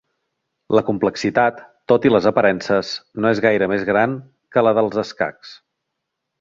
La complexitat, tot i les aparences, no és gaire més gran que la dels escacs.